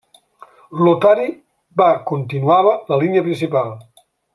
Lotari va continuava la línia principal.